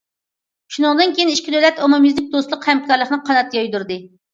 شۇنىڭدىن كېيىن، ئىككى دۆلەت ئومۇميۈزلۈك دوستلۇق، ھەمكارلىقنى قانات يايدۇردى.